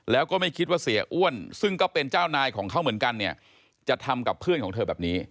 แล้วก็ไม่คิดว่าเสียอ้วนซึ่งก็เป็นเจ้านายของเขาเหมือนกันเนี่ยจะทำกับเพื่อนของเธอแบบนี้